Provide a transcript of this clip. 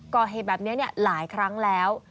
กยง๑๒๐๐แบบนี้หลายครั้งแล้ว